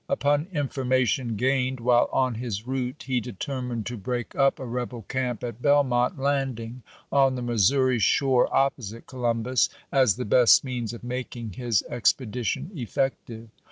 Upon information gained while on his route he determined to break up a rebel camp at Bel mont Landing, on the Missouri shore opposite Columbus, as the best means of making his ex pedition effective.